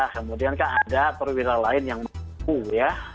kemudian kan ada perwira lain yang mampu ya